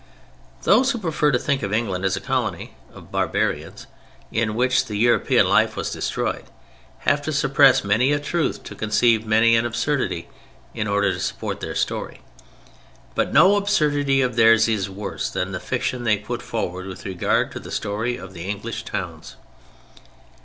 Those who prefer to think of England as a colony of barbarians in which the European life was destroyed, have to suppress many a truth and to conceive many an absurdity in order to support their story; but no absurdity of theirs is worse than the fiction they put forward with regard to the story of the English towns.